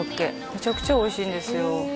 めちゃくちゃおいしいんですよ